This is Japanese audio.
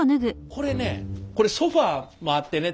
これねこれソファーもあってね